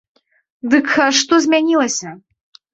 Дык а што змянілася?